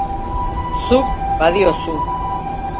Zuk badiozu!